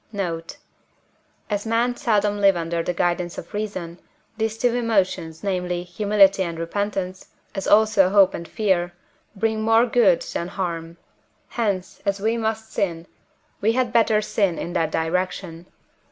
Note. As men seldom live under the guidance of reason, these two emotions, namely, Humility and Repentance, as also Hope and Fear, bring more good than harm; hence, as we must sin, we had better sin in that direction.